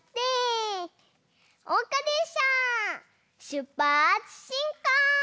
しゅっぱつしんこう！